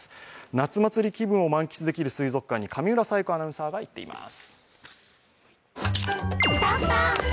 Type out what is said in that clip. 夏祭り気分を満喫できる水族館に上村彩子アナウンサーが行っています。